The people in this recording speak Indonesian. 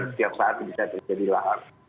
setiap saat bisa terjadi lahar